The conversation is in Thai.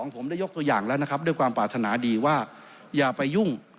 ผมได้ยกตัวอย่างแล้วนะครับด้วยความปรารถนาดีว่าอย่าไปยุ่ง